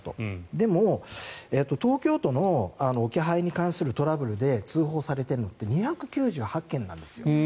でも、東京都の置き配に関するトラブルで通報されているのって２９８件なんですよ。